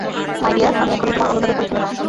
মাই dear, আমি এখনই তোমার অনুতাপের পরীক্ষা নেব।